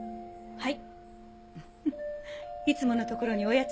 はい！